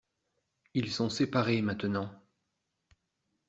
Ils sont séparés maintenant.